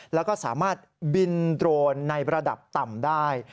แล้วก็สามารถบินโดรนในระดับต่ำได้